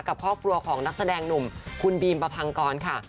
กับครอบครัวของนักแสดงหนุ่มคุณบีมประพังกรค่ะ